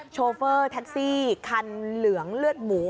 โฟเฟอร์แท็กซี่คันเหลืองเลือดหมู